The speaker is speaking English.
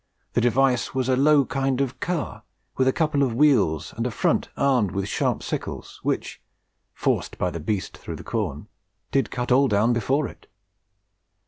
The device was a lowe kinde of carre with a couple of wheeles, and the frunt armed with sharpe syckles, whiche, forced by the beaste through the corne, did cut down al before it.